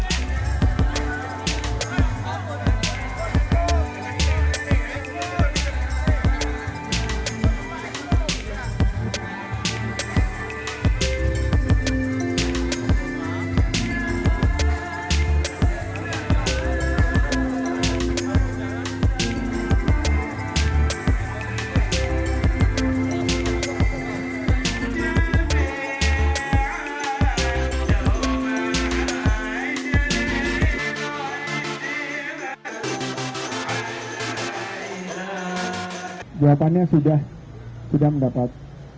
jawabannya sudah mendapat